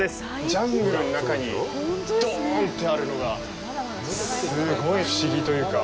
ジャングルの中に、どーんてあるのがすごい不思議というか。